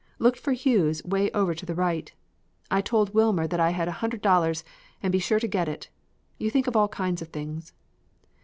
Looked for Hughes way over to the right; told Wilmer that I had a hundred dollars and be sure to get it. You think all kinds of things.